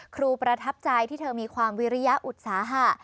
ประทับใจที่เธอมีความวิริยอุตสาหะ